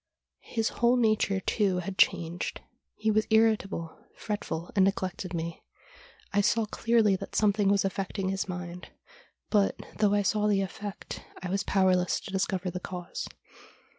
His whole nature too had changed. He was irritable, fretful, and neglected me. I saw 226 STORIES WEIRD AND WONDERFUL clearly that something was affecting his mind, but, though 1 saw the effect, I was powerless to discover the cause.